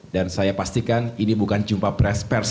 dan saya pastikan ini bukan jumpa pers